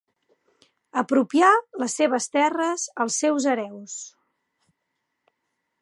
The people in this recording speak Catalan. Apropià les seves terres als seus hereus.